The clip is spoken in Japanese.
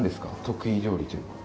得意料理。